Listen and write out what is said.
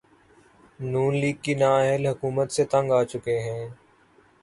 نون league کی نااہل حکومت سے تنگ آچکے ہیں